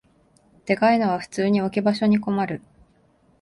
でかいのは普通に置き場所に困る